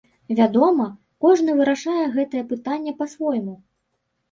Вядома, кожны вырашае гэтае пытанне па-свойму.